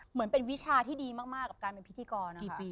เหมือนเป็นวิชาที่ดีมากกับการเป็นพิธีกร